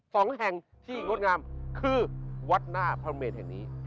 สองแห่งที่งดงามคือวัดหน้าพระเมนแห่งนี้